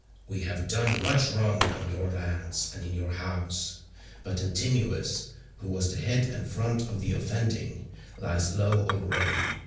We have done much wrong on your lands and in your house. But Antinous who was the head and front of the offending lies low already.